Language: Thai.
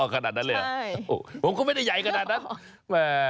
ขนาดนั้นเลยเหรอใช่ผมก็ไม่ได้ใหญ่ขนาดนั้น